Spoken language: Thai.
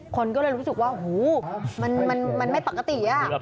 คนก็เลยรู้สึกว่าหูมันไม่ปกติ